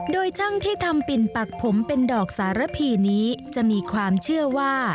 โดยช่างที่ทำปิ่นปักผมเป็นดอกสารพีนี้จะมีความเชื่อว่า